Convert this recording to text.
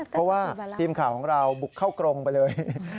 เพราะว่าทีมข่าวของเราบุกเข้ากรงไปเลย